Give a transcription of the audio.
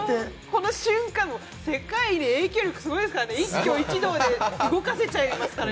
この瞬間、世界で影響力すごいですからね、一挙一動を動かせちゃいますからね。